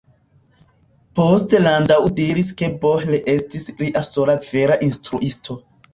Poste Landau diris ke Bohr estis lia "sola vera instruisto".